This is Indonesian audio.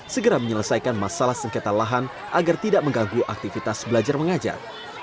segera menyelesaikan masalah sengketa lahan agar tidak mengganggu aktivitas belajar mengajar